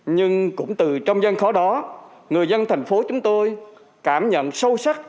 nhưng cũng từ trong gian khó đó người dân thành phố chúng tôi cảm nhận sâu sắc